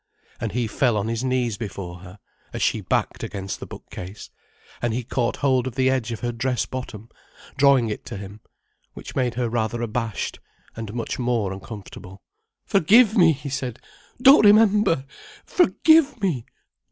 And he fell on his knees before her, as she backed against the bookcase, and he caught hold of the edge of her dress bottom, drawing it to him. Which made her rather abashed, and much more uncomfortable. "Forgive me!" he said. "Don't remember! Forgive me!